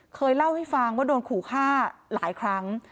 เคยเล่าให้ฟังว่าโดนขู่ฆ่าหลายครั้ง